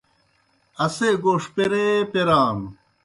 اسے گوݜ پیرَے پَیرانوْ۔